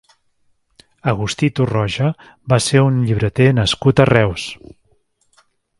Agustí Torroja va ser un llibreter nascut a Reus.